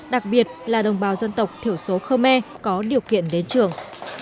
đặc biệt là đồng bào dân tộc thiểu số khơ me có điều kiện đến trường